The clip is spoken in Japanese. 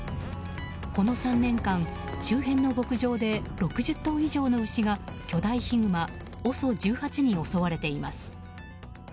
この３年間、周辺の牧場で６０頭以上の牛が、巨大ヒグマＯＳＯ１８に襲われています。